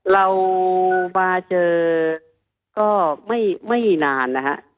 เรามาเจอก็ไม่นานนะฮะ